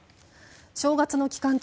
正月の期間中